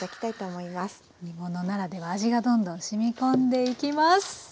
煮物ならでは味がどんどんしみ込んでいきます。